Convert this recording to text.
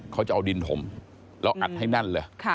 เขาจะเอาดินถมแล้วอัดให้แน่นเลย